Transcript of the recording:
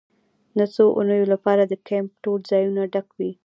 د څو اونیو لپاره د کیمپ ټول ځایونه ډک وي